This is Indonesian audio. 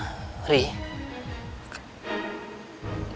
hantar surat sandra